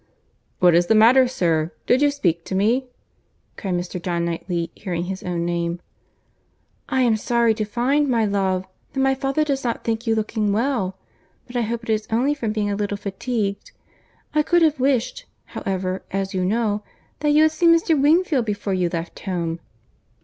"What is the matter, sir?—Did you speak to me?" cried Mr. John Knightley, hearing his own name. "I am sorry to find, my love, that my father does not think you looking well—but I hope it is only from being a little fatigued. I could have wished, however, as you know, that you had seen Mr. Wingfield before you left home."